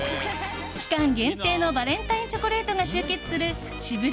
期間限定のバレンタインチョコレートが集結する渋谷